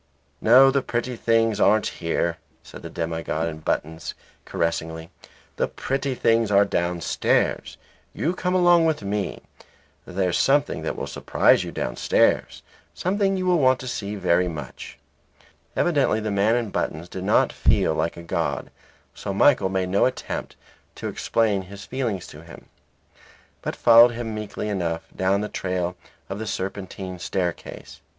"No, the pretty things aren't here," said the demi god in buttons, caressingly. "The pretty things are downstairs. You come along with me. There's something that will surprise you downstairs; something you want very much to see." Evidently the man in buttons did not feel like a god, so Michael made no attempt to explain his feelings to him, but followed him meekly enough down the trail of the serpentine staircase.